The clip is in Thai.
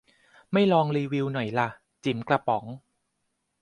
ไม่ลองรีวิวหน่อยล่ะ จิ๋มกระป๋อง